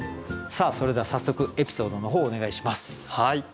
それでは早速エピソードの方お願いします。